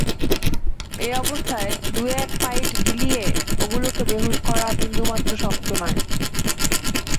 এই অবস্থায় দু-এক পাঁইট গিলিয়ে ওগুলোকে বেহুঁশ করা বিন্দুমাত্র শক্ত নয়।